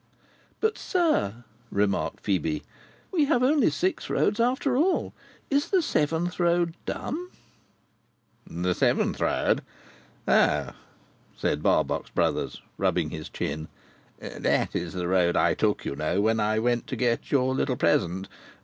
"But, sir," remarked Phœbe, "we have only six roads after all. Is the seventh road dumb?" "The seventh road? O!" said Barbox Brothers, rubbing his chin. "That is the road I took, you know, when I went to get your little present.